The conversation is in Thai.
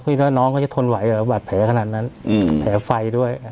พี่น้องก็จะทนไหวโดยว่าอาจแผลขนาดนั้นอืมแผลไฟด้วย